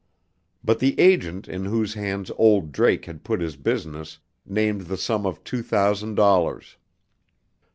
But the agent in whose hands "old Drake" had put his business named the sum of two thousand dollars.